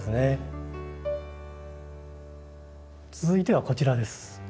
続いてはこちらです。